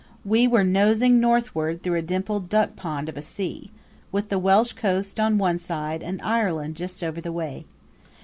We were nosing northward through a dimpled duckpond of a sea, with the Welsh coast on one side and Ireland just over the way.